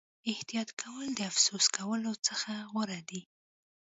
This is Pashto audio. احتیاط کول د افسوس کولو څخه غوره دي.